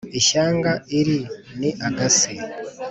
ishyanga iri ni agasi